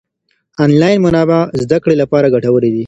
انلاين منابع زده کړې لپاره ګټورې دي.